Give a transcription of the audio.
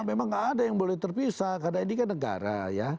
memang nggak ada yang boleh terpisah karena ini kan negara ya